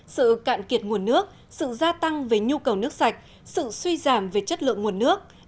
sự cạn kiệt nguồn nước sự gia tăng về nhu cầu nước sạch sự suy giảm về chất lượng nguồn nước